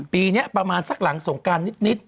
ปีนี้ประมาณสักหลังสงการนิด